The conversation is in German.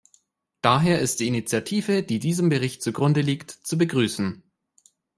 Daher ist die Initiative, die diesem Bericht zugrunde liegt, zu begrüßen.